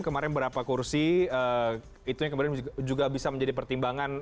kemarin berapa kursi itu yang kemudian juga bisa menjadi pertimbangan